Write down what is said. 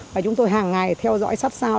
và chúng tôi hàng ngày theo dõi sắp sau